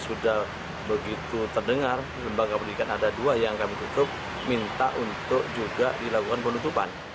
sudah begitu terdengar lembaga pendidikan ada dua yang kami tutup minta untuk juga dilakukan penutupan